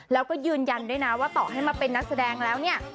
แล้วก็ยืนยันด้วยนะว่าต่อให้มาเป็นนักแสดงแล้วเนี่ย